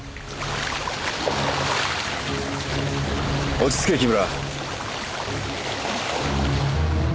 落ち着け木村。